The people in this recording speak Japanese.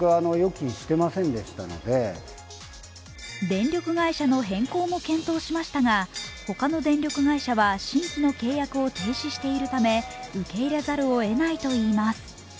電力会社の変更も検討しましたが、他の電力会社は新規の契約を停止しているため、受け入れざるをえないといいます。